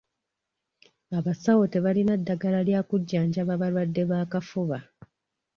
Abasawo tebalina ddagala lya kujjanjaba balwadde b'akafuba.